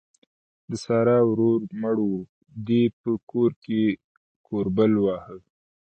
د سارا ورور مړ وو؛ دې په کور کې کوربل واهه.